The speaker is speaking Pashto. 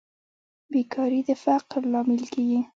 بیکاري د فقر لامل کیږي